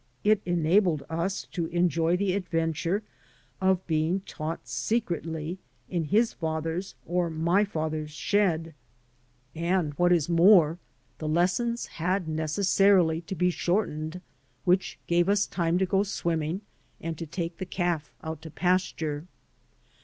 It enabled us to enjoy the adventure of being taught secretly in his father's or my father's shed; and, what list PURIFICATIONS is more, the lessons had necessarily to be shortened, which gave us time to go swimming and to take the calf out to pasture.